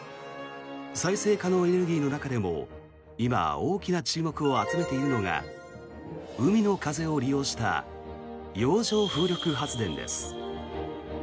再生可能エネルギーの中でも今、大きな注目を集めているのが海の風を利用した洋上風力発電です。